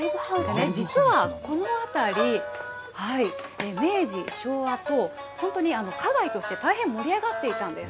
実はこの辺り、明治、昭和と、本当に花街として大変盛り上がっていたんです。